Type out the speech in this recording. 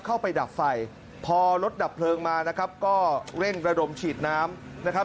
เข้าไปดับไฟพอรถดับเพลิงมานะครับก็เร่งระดมฉีดน้ำนะครับ